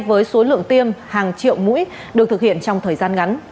với số lượng tiêm hàng triệu mũi được thực hiện trong thời gian ngắn